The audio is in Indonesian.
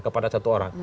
kepada satu orang